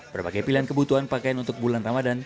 berbagai pilihan kebutuhan pakaian untuk bulan ramadan